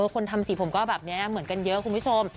คนทำสีผมก็แบบนี้นะเหมือนกันเยอะคุณผู้ชม